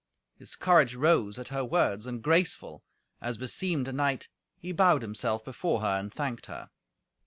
His courage rose at her words, and graceful, as beseemed a knight, he bowed himself before her and thanked her.